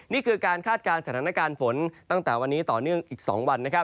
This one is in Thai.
นี่คือการคาดการณ์สถานการณ์ฝนตั้งแต่วันนี้ต่อเนื่องอีก๒วัน